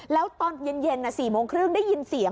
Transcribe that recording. แล้วตอนเย็น๔โมงครึ่งได้ยินเสียง